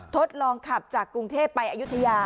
ทดลองขับจากกรุงเทพไปอายุทยา